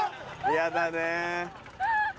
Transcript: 嫌だね。